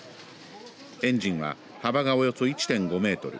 エンジンは幅がおよそ１．５メートル